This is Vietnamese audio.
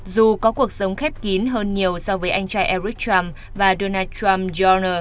dù có cuộc sống khép kín hơn nhiều so với anh trai eric trump và donald trump jr